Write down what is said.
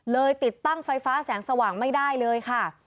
ติดตั้งไฟฟ้าแสงสว่างไม่ได้เลยค่ะ